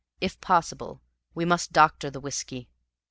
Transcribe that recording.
If possible, we must doctor the whiskey.